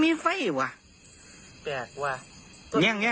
มันอีหยังอ่ะ